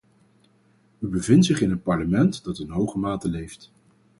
U bevindt zich in een parlement dat in hoge mate leeft.